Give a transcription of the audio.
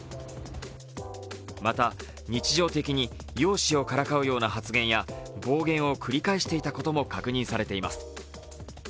また、日常的に容姿をからかうような発言や暴言を繰り返していたことも確認されています。